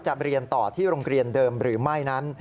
เรียนต่อที่โรงเรียนเดิมหรือไม่นั้น